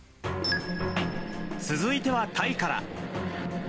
続いてはタイから。